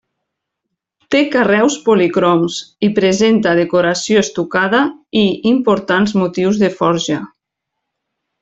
Té carreus policroms i presenta decoració estucada i importants motius de forja.